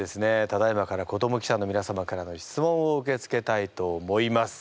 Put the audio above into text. ただいまから子ども記者のみな様からの質問を受け付けたいと思います。